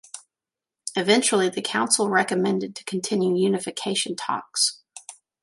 Eventually the council recommended to continue unification talks.